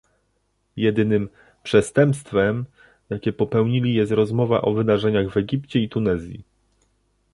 Jedynym "przestępstwem", jakie popełnili jest rozmowa o wydarzeniach w Egipcie i Tunezji